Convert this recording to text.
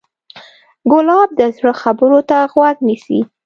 ګلاب د زړه خبرو ته غوږ نیسي.